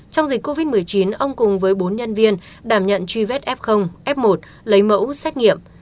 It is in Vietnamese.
trong dịch covid một mươi chín ông cùng với bốn nhân viên đảm nhận truy vết f f một lấy mẫu xét nghiệm